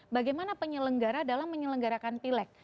bagaimana penyelenggara dalam menyelenggarakan pileg